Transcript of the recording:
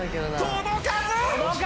届かず！